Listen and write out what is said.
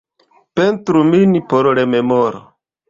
Pentru min por rememoro.